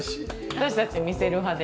私たち見せる派で。